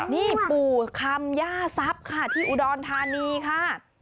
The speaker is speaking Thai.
นี่ปู่คำย่าทรัพย์ค่ะที่อุดรธานีค่ะ